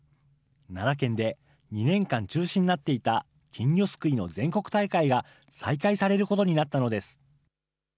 奈良県で２年間中止になっていた金魚すくいの全国大会が再開されることになったのです。